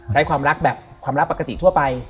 ใช้ความรักแบบความรักปกติทั่วไป